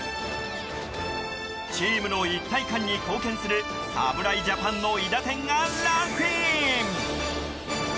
チームの一体感に貢献する侍ジャパンの韋駄天がランクイン。